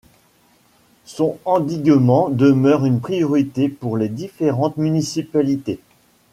Son endiguement demeure une priorité pour les différentes municipalités.